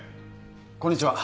こんにちは。